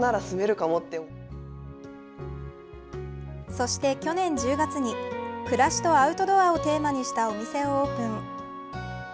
そして去年１０月に暮らしとアウトドアをテーマにしたお店をオープン。